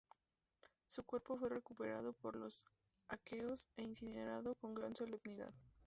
Su cuerpo fue recuperado por los aqueos e incinerado con gran solemnidad.